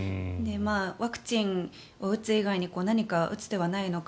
ワクチンを打つ以外に何か打つ手はないのか。